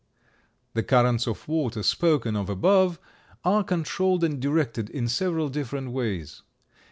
The currents of water spoken of above are controlled and directed in several different ways.